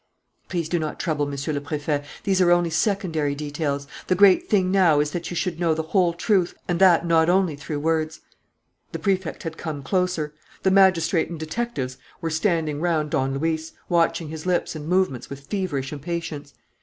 "Please do not trouble, Monsieur le Préfet. These are only secondary details. The great thing now is that you should know the whole truth, and that not only through words." The Prefect had come closer. The magistrate and detectives were standing round Don Luis, watching his lips and movements with feverish impatience.